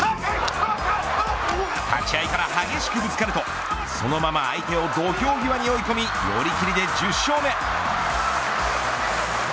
立ち合いから激しくぶつかるとそのまま相手を土俵際に追い込み寄り切りで１０勝目。